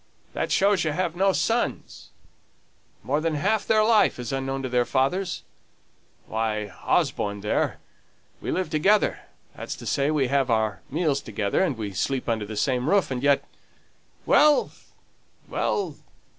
"That shows you've no sons. More than half their life is unknown to their fathers. Why, Osborne there, we live together that's to say, we have our meals together, and we sleep under the same roof and yet Well! well!